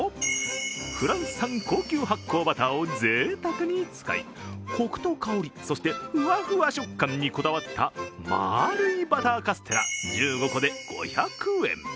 フランス産高級発酵バターをぜいたくに使いコクと香り、そしてふわふわ食感にこだわった、丸いバターカステラ、１５個で５００円。